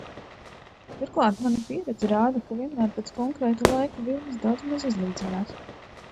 Turklāt, mana pieredze rāda, ka vienmēr pēc konkrēta laika, vilnis daudzmaz izlīdzinās.